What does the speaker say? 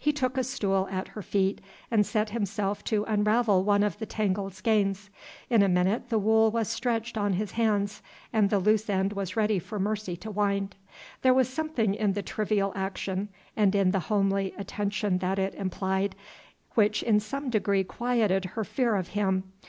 He took a stool at her feet, and set himself to unravel one of the tangled skeins. In a minute the wool was stretched on his hands, and the loose end was ready for Mercy to wind. There was something in the trivial action, and in the homely attention that it implied, which in some degree quieted her fear of him.